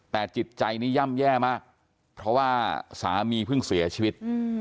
แต่จิตใจนี้ย่ำแย่มากเพราะว่าสามีเพิ่งเสียชีวิต